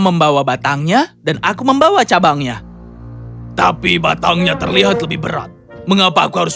membawa batangnya dan aku membawa cabangnya tapi batangnya terlihat lebih berat mengapa aku harus